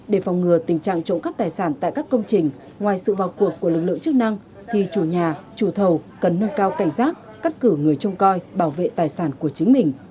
để phòng ngừa tình trạng trộm cắp tài sản tại các công trình ngoài sự vào cuộc của lực lượng chức năng thì chủ nhà chủ thầu cần nâng cao cảnh giác cắt cử người trông coi bảo vệ tài sản của chính mình